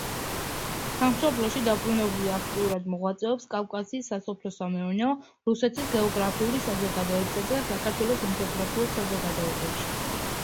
სამშობლოში დაბრუნებული აქტიურად მოღვაწეობს კავკასიის სასოფლო-სამეურნეო, რუსეთის გეოგრაფიული საზოგადოებისა და საქართველოს ეთნოგრაფიულ საზოგადოებებში.